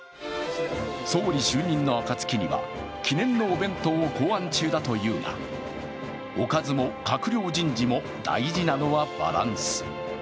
総理就任のあかつきには、記念のお弁当を考案中だというがおかずも閣僚人事も、大事なのはバランス。